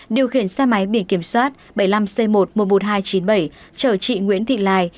điều khiển xe máy biển kiểm soát bảy mươi năm c một trăm một mươi một nghìn hai trăm chín mươi bảy chở chị nguyễn thị lài